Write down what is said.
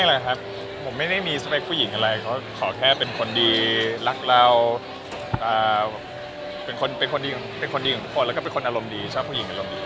เพียงตัวผมมากเลยครับผมไม่ได้มีสเปคผู้หญิงอะไรเขาขอแค่เป็นคนดีรักเราเป็นคนดีของทุกคนแล้วก็เป็นคนอารมณ์ดีชอบผู้หญิงอารมณ์ดี